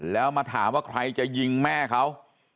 แล้วมาถามว่าใครจะยิงแม่เขา